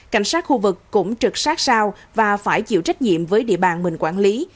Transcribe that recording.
cảnh sát khu vực cũng trực sát sao và phải chịu trách nhiệm với địa bàn mình quản lý